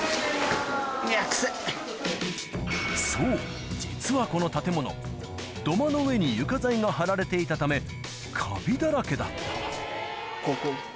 ・そう実はこの建物土間の上に床材が張られていたためカビだらけだったここ。